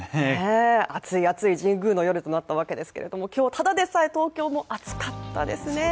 熱い熱い神宮の夜となったわけですけれども、今日、ただでさえ東京も暑かったですね。